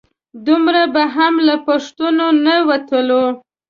دومره به هم له پښتو نه نه وتلو.